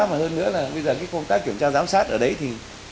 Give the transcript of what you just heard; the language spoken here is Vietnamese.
mà hơn nữa là bây giờ cái công tác kiểm tra giám sát ở đấy thì